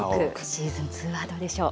シーズン２はどうでしょう。